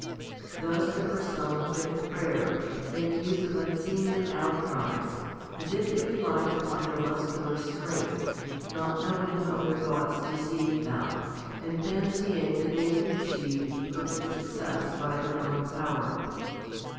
Thus there are some who at prayer make use of unseemly out cries, as if they relied upon their muscular strength, not knowing how their thoughts deceive them, and fancying that they can achieve a perfect success by their own power.